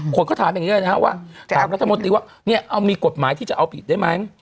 คนก็ถามอย่างนี้เลยนะครับว่าถามรัฐมนตรีว่าเนี่ยเอามีกฎหมายที่จะเอาผิดได้ไหม